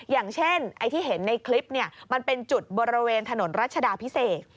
อย่างเช่นไอ้ที่เห็นในคลิปมันเป็นจุดบริเวณถนนรัชดาพิเศษ